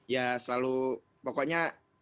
ya selalu pokoknya